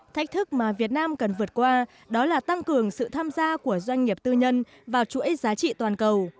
thách thức mà việt nam cần vượt qua đó là tăng cường sự tham gia của doanh nghiệp tư nhân vào chuỗi giá trị toàn cầu